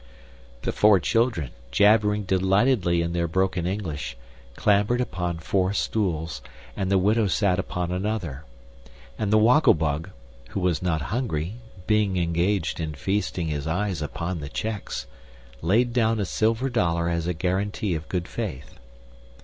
The four children, jabbering delightedly in their broken English, clambered upon four stools, and the widow sat upon another. And the Woggle Bug, who was not hungry (being engaged in feasting his eyes upon the checks), laid down a silver dollar as a guarantee of good faith.